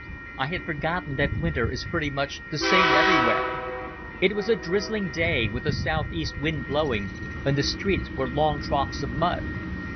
I had forgotten that winter is pretty much the same everywhere. It was a drizzling day, with a south east wind blowing, and the streets were long troughs of mud.